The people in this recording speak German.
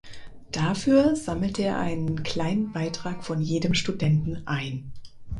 Dafür sammelte er einen kleinen Beitrag von jedem Studenten ein.